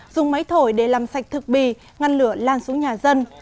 dùng máy thổi để làm sạch thực bì ngăn lửa lan xuống nhà dân